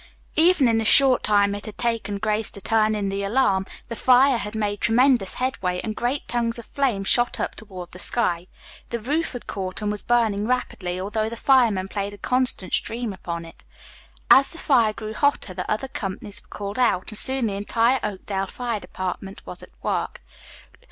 Even in the short time it had taken Grace to turn in the alarm, the fire had made tremendous headway, and great tongues of flame shot up toward the sky. The roof had caught and was burning rapidly, although the firemen played a constant stream upon it. As the fire grew hotter, the other companies were called out, and soon the entire Oakdale Fire Department was at work.